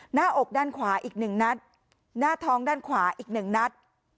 หน้าอกด้านขวาอีก๑นัดหน้าท้องด้านขวาอีก๑นัด